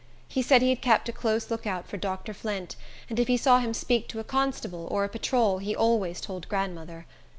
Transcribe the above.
He said he had kept a close lookout for Dr. Flint, and if he saw him speak to a constable, or a patrol, he always told grandmother.